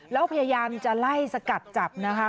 แล้วพยายามจะไล่สกัดจับนะคะ